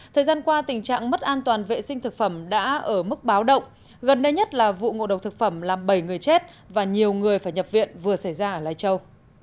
thời gian qua tình trạng mất an toàn vệ sinh thực phẩm đã ở mức báo động gần đây nhất là vụ ngộ độc thực phẩm làm bảy người chết và nhiều người phải nhập viện vừa xảy ra ở lai châu